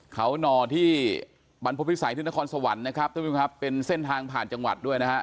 เขาหน่อที่บรรพฤษัยธุรกรสวรรค์เป็นเส้นทางผ่านจังหวัดด้วย